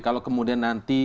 kalau kemudian nanti